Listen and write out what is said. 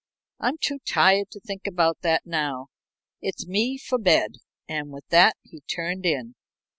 "I'm too tired to think about that now. It's me for bed." And with that he turned in.